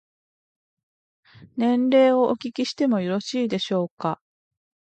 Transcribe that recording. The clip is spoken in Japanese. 年齢をお聞きしてもよろしいでしょうか。